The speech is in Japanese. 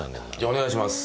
お願いします。